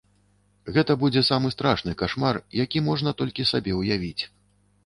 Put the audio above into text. Гэта будзе самы страшны кашмар, які можна толькі сабе ўявіць.